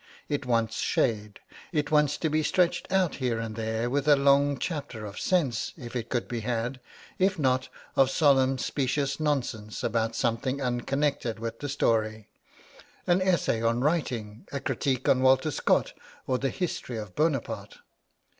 It wants shade. It wants to be stretched out here and there with a long chapter of sense, if it could be had; if not, of solemn specious nonsense about something unconnected with the story an essay on writing, a critique on Walter Scott or the "History of Bonaparte."'